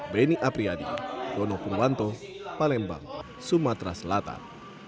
beni apriyadi dono purwanto palembang sumatera selatan